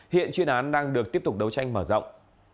hiện chuyên án đang được tiếp tục đấu tranh mở rộng